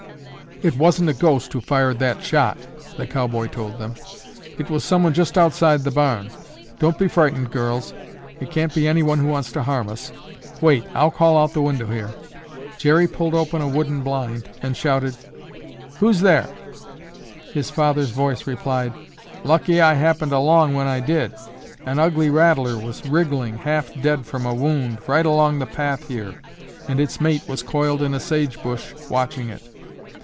"It wasn't a ghost who fired that shot," the cowboy told them. "It was someone just outside the barn. Don't be frightened, girls. It can't be anyone who wants to harm us. Wait, I'll call out the window here." Jerry pulled open a wooden blind and shouted, "Who's there?" His father's voice replied, "Lucky I happened along when I did. An ugly rattler was wriggling, half dead from a wound, right along the path here and its mate was coiled in a sage bush watching it."